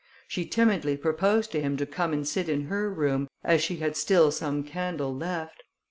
She timidly proposed to him to come and sit in her room, as she had still some candle left.